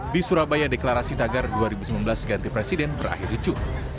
di surabaya deklarasi tagar dua ribu sembilan belas ganti presiden berakhir ricu